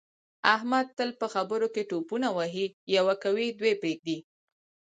احمد تل په خبروکې ټوپونه وهي یوه کوي دوې پرېږدي.